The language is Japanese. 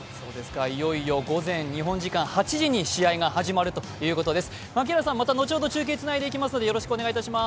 いよいよ午前日本時間８時から試合が始まるということです。